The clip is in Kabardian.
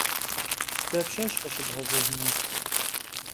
Дапщэщ къыщыбгъэзэжынур?